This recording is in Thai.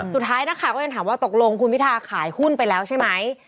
สุดท้ายนักข่าวก็ยังถามว่าตกลงคุณพิทาขายหุ้นไปแล้วใช่ไหม